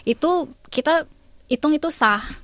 itu kita hitung itu sah